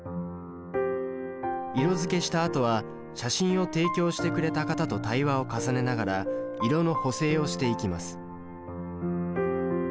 色づけしたあとは写真を提供してくれた方と対話を重ねながら色の補正をしていきます。